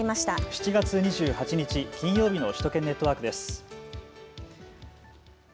７月２８日、金曜日の首都圏ネットワークです。